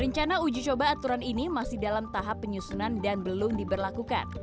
rencana uji coba aturan ini masih dalam tahap penyusunan dan belum diberlakukan